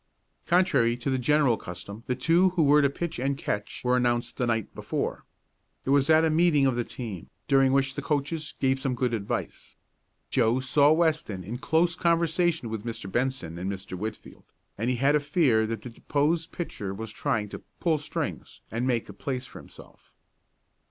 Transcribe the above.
Contrary to the general custom the two who were to pitch and catch were announced the night before. It was at a meeting of the team, during which the coaches gave some good advice. Joe saw Weston in close conversation with Mr. Benson and Mr. Whitfield, and he had a fear that the deposed pitcher was trying to "pull strings" and make a place for himself.